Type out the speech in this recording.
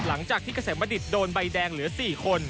หลังจากที่เกษมบัณฑิตโดนใบแดงเหลือ๔คน